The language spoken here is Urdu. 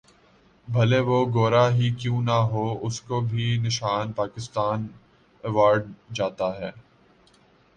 بھلے وہ گورا ہی کیوں نہ ہو اسکو بھی نشان پاکستان ایوارڈ جاتا ہے